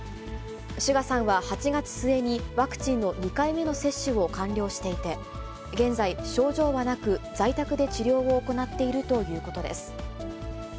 ＳＵＧＡさんは８月末に、ワクチンの２回目の接種を完了していて、現在、症状はなく、在宅で治療を行っているということです。